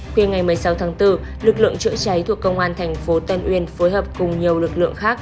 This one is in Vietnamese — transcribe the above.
khuya ngày một mươi sáu tháng bốn lực lượng chữa cháy thuộc công an thành phố tân uyên phối hợp cùng nhiều lực lượng khác